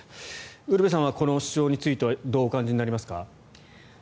ウルヴェさんはこの主張についてはどうお感じになりますか？